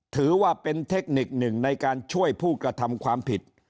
ถือว่าเป็นเทคนิคหนึ่งในการช่วยผู้กระทำความผิด